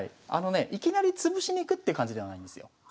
あのねいきなり潰しに行くっていう感じではないんですよ。